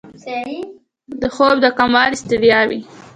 غول د خوب د کموالي ستړی وي.